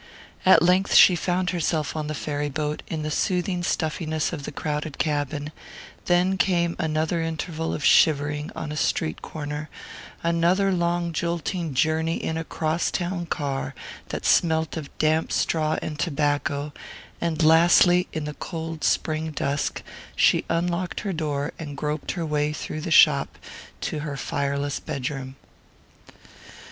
At length she found herself on the ferry boat, in the soothing stuffiness of the crowded cabin; then came another interval of shivering on a street corner, another long jolting journey in a "cross town" car that smelt of damp straw and tobacco; and lastly, in the cold spring dusk, she unlocked her door and groped her way through the shop to her fireless bedroom.